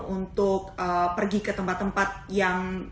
untuk pergi ke tempat tempat yang